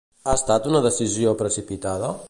Ha estat una decisió precipitada?